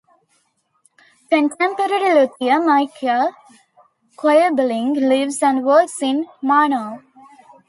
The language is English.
Contemporary luthier Michael Koeberling lives and works in Murnau.